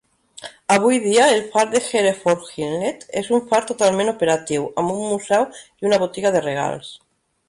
Avui dia el far de Hereford Inlet és un far totalment operatiu, amb un museu i una botiga de regals.